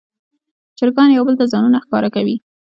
چرګان یو بل ته ځانونه ښکاره کوي.